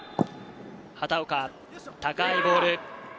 畑岡、高いボール。